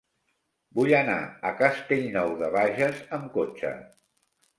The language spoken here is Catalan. Vull anar a Castellnou de Bages amb cotxe.